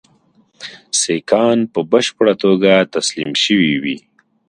سیکهان په بشپړه توګه تسلیم شوي وي.